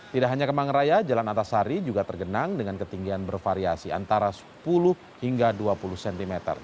tidak hanya kemang raya jalan antasari juga tergenang dengan ketinggian bervariasi antara sepuluh hingga dua puluh cm